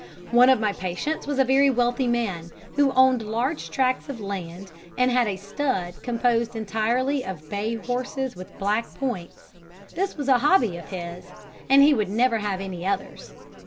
One of my patients was a very wealthy man, who owned large tracts of land and had a stud composed entirely of bay horses with black points this was a hobby of his, and he would never have any others.